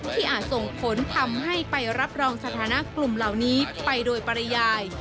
อาจส่งผลทำให้ไปรับรองสถานะกลุ่มเหล่านี้ไปโดยปริยาย